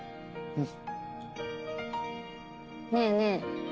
うん？